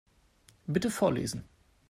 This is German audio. Bitte vorlesen.